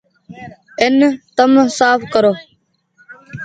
اين تم ساڦ ڪرو۔